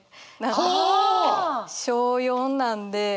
小４なんで。